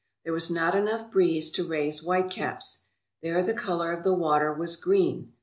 There was not enough breeze to raise white caps. There the colour of the water was green.